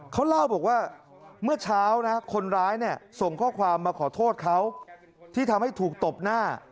เขาเล่าบอกว่าเมื่อเช้านะคนร้ายเนี่ยส่งข้อความมาขอโทษเขาที่ทำให้ถูกตบหน้า